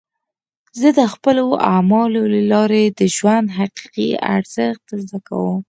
زه د خپلو اعمالو له لارې د ژوند حقیقي ارزښت زده کوم.